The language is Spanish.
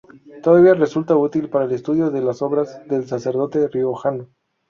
Todavía resulta útil para el estudio de las obras del sacerdote riojano.